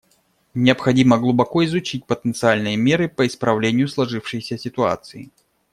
Необходимо глубоко изучить потенциальные меры по исправлению сложившейся ситуации.